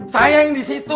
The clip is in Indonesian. saya yang disitu